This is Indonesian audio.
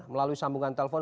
melalui sambungan telepon